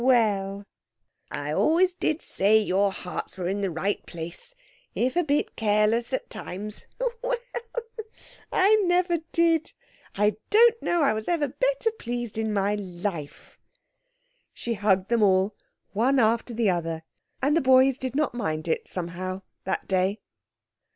Well, I always did say your hearts was in the right place, if a bit careless at times. Well! I never did! I don't know as I was ever pleased better in my life." She hugged them all, one after the other. And the boys did not mind it, somehow, that day.